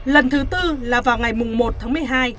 lần thứ tư là vào ngày một tháng một mươi hai